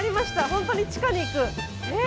本当に地下に行く。え？